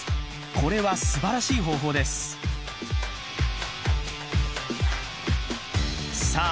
これはすばらしい方法ですさあ